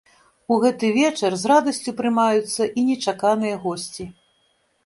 У гэты вечар з радасцю прымаюцца і нечаканыя госці.